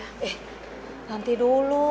eh nanti dulu